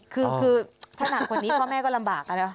คือถ้าหนักคนนี้พ่อแม่ก็ลำบากกันแล้ว